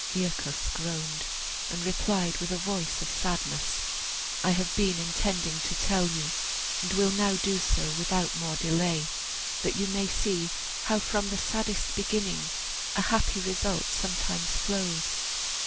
Aeacus groaned, and replied with a voice of sadness, "I have been intending to tell you, and will now do so, without more delay, that you may see how from the saddest beginning a happy result sometimes flows.